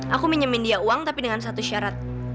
aku minjemin dia uang tapi dengan satu syarat